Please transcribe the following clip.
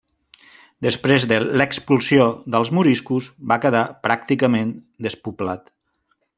Després de l'expulsió dels moriscos, va quedar pràcticament despoblat.